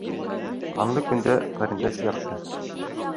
Ҡанлы көндә ҡәрендәш яҡшы.